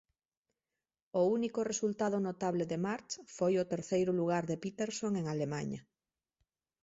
O único resultado notable de March foi o terceiro lugar de Peterson en Alemaña.